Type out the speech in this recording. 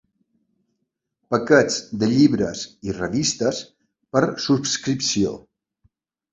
Paquets de llibres i revistes per subscripció.